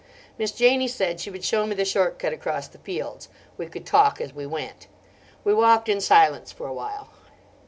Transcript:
Miss Janie said she would show me the short cut across the fields; we could talk as we went. We walked in silence for awhile.